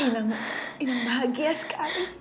inang bahagia sekali